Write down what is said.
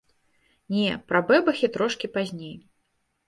Не, пра бэбахі трошкі пазней.